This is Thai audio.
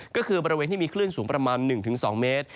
ก็คือบริเวณที่มีคลื่นสูงประมาณ๑๒เมตร